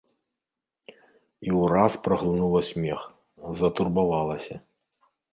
І ўраз праглынула смех, затурбавалася.